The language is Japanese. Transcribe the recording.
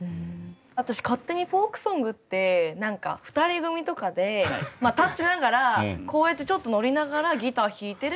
私勝手にフォークソングって何か２人組とかで立ちながらこうやってちょっとノリながらギター弾いてるみたいなのが。